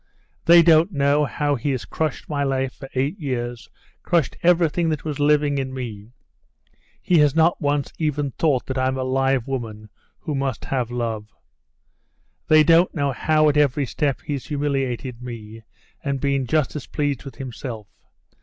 They don't know how he has crushed my life for eight years, crushed everything that was living in me—he has not once even thought that I'm a live woman who must have love. They don't know how at every step he's humiliated me, and been just as pleased with himself.